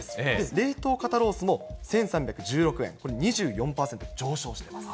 冷凍肩ロースも１３１６円、これ、２４％上昇しています。